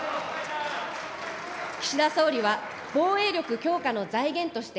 岸田総理は防衛力強化の財源として、